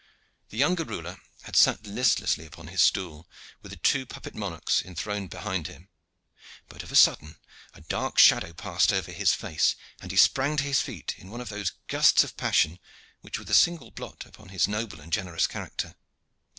The younger ruler had sat listlessly upon his stool with the two puppet monarchs enthroned behind him, but of a sudden a dark shadow passed over his face, and he sprang to his feet in one of those gusts of passion which were the single blot upon his noble and generous character.